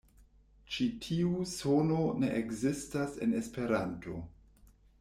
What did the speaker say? Ĉi tiu sono ne ekzistas en Esperanto.